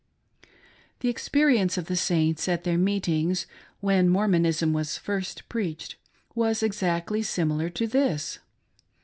* The experience of the Saints at their meetings, when Mormonism was first preached, was exactly similar to this.